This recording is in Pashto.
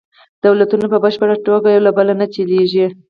دولتونه په بشپړه توګه یو له بل نه جلیږي